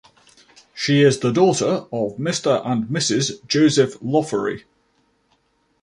She is the daughter of Mr. and Mrs. Joseph Loughery.